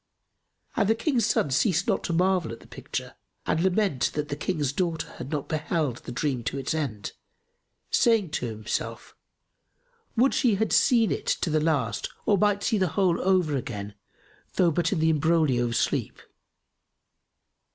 And the King's son ceased not to marvel at the picture and lament that the King's daughter had not beheld the dream to its end, saying in himself, "Would she had seen it to the last or might see the whole over again, though but in the imbroglio of sleep!"